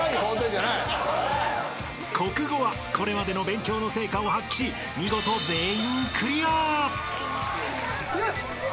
［国語はこれまでの勉強の成果を発揮し見事全員クリア！］